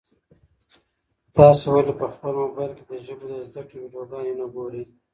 تاسي ولي په خپل موبایل کي د ژبو د زده کړې ویډیوګانې نه ګورئ؟